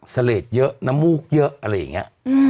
เสลดเยอะน้ำมูกเยอะอะไรอย่างนี้